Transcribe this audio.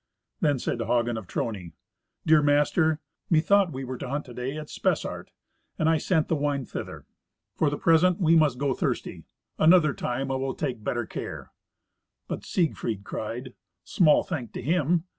Then said Hagen of Trony, "Dear master, Methought we were to hunt to day at Spessart, and I sent the wine thither. For the present we must go thirsty; another time I will take better care." But Siegfried cried, "Small thank to him.